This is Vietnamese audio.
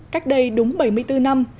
cách đây đúng bảy mươi bốn năm